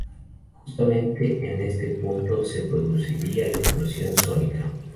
Justamente en este punto se producirá la explosión sónica.